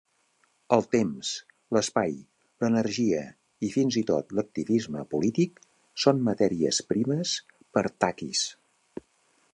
El temps, l'espai, l'energia i fins i tot l'activisme polític són matèries primes per Takis.